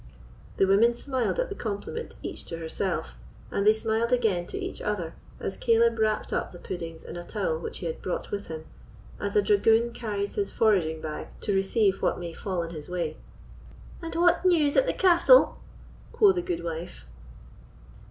The women smiled at the compliment each to herself, and they smiled again to each other as Caleb wrapt up the puddings in a towel which he had brought with him, as a dragoon carries his foraging bag to receive what my fall in his way. "And what news at the castle?" quo' the gudewife.